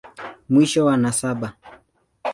Mwisho wa nasaba.